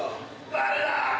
◆誰だ！？